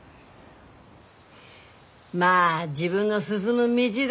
まあ自分の進む道だ。